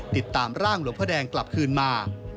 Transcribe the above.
ติดตามร่างหลวงพระแดงกลับคืนมา